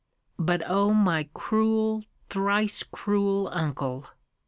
But O my cruel, thrice cruel uncle!